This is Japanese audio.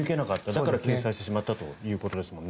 だから掲載してしまったということですもんね。